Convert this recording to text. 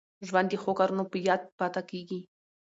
ژوند د ښو کارونو په یاد پاته کېږي.